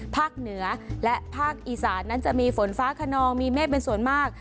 ภาคเหนือและภาคอีสานนั้นจะมีฝนฟ้าขนองมีเมฆเป็นส่วนมาก